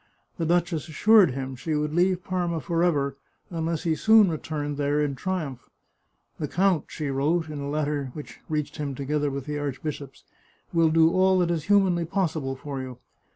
The duchess assured him she would leave Parma forever, unless he soon returned there in triumph. " The count," she wrote, in a letter which reached him together with the archbishop's, " will do all 221 The Chartreuse of Parma that is humanly possible for you.